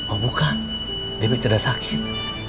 oh bukan debbie cedera sakit